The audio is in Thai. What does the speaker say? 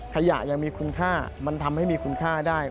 ขยะยังมีคุณค่ามันทำให้มีคุณค่าได้